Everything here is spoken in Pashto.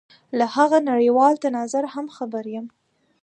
له هغه نړېوال تناظر هم خبر یم.